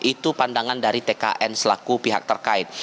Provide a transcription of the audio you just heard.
itu pandangan dari tkn selaku pihak terkait